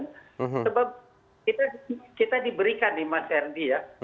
sebab kita diberikan di mas herdi ya